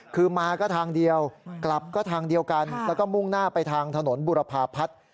คือมาก็ทางเดียวกลับก็ทางเดียวกันแล้วก็มุ่งหน้าไปทางถนนบุรพาพัฒน์